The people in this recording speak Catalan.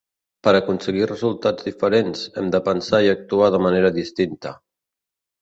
Per aconseguir resultats diferents, hem de pensar i actuar de manera distinta.